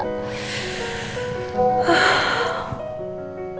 ini nomer siapa ya